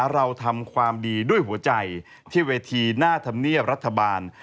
เราทำความดีด้วยหัวใจที่เวทีหน้าธรรมเนียบรัฐบาล